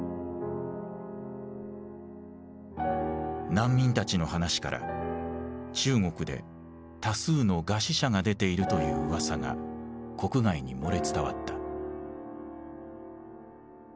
難民たちの話から中国で多数の餓死者が出ているという噂が国外に漏れ伝わった。